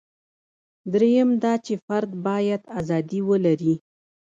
درېیم دا چې فرد باید ازادي ولري.